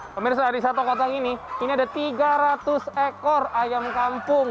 pemirsa di satu kotak ini ini ada tiga ratus ekor ayam kampung